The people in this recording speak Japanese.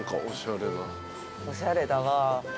おしゃれだわ。